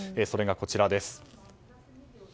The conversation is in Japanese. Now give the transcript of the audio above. それがこちらです。